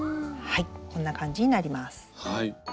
はいこんな感じになります。